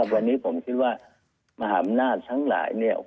วันนี้ผมคิดว่ามหาบนาฏทั้งหลาย